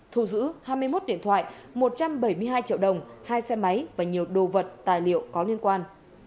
thu giữ hai mươi một điện thoại một trăm bảy mươi hai triệu đồng hai xe máy và nhiều đồ vật tài liệu có liên quan